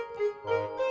gak ada apa apa